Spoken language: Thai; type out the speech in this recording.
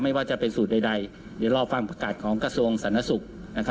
ไม่ว่าจะเป็นสูตรใดเดี๋ยวรอฟังประกาศของกระทรวงสาธารณสุข